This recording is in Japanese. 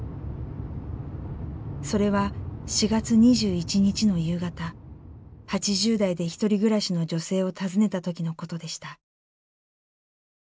それは４月２１日の夕方８０代で独り暮らしの女性を訪ねた時のことでした。